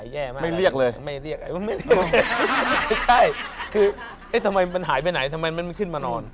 เหอเหยยยยยยยยมายจริงเพราะมรสไปก่อน